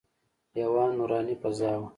یوه نوراني فضا وه.